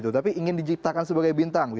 tapi ingin diciptakan sebagai bintang